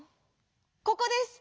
「ここです！